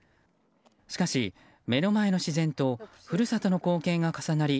しかし、目の前の自然と故郷の光景が重なり